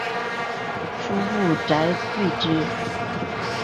叔父瞿兑之。